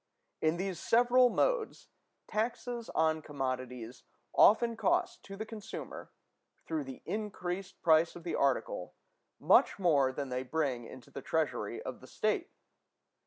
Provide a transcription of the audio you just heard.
In these several modes, taxes on commodities often cost to the consumer, through the increased price of the article, much more than they bring into the treasury of the state.